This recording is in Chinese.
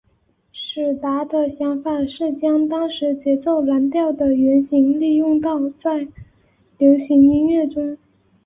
史达的想法是将当时节奏蓝调的原型利用到在流行音乐中。